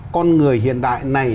con người hiện đại này